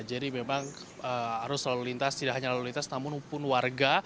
jadi memang harus lalu lintas tidak hanya lalu lintas namun pun warga